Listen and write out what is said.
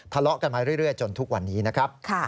ทะเลาะกันมาเรื่อยจนทุกวันนี้นะครับ